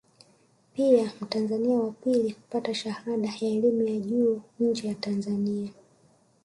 Pia mtanzania wa pili kupata shahada ya elimu ya juu nje ya Tanzania